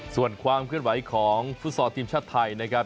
ส่วนความเคลื่อนไหวของฟุตซอลทีมชาติไทยนะครับ